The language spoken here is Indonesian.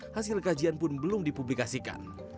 hasil kajian pun belum dipublikasikan